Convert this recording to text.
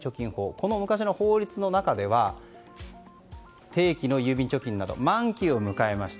こちらの昔の法律の中では定期の郵便貯金などが満期を迎えました